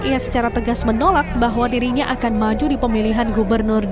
ia secara tegas menolak bahwa dirinya akan maju di pemilihan gubernur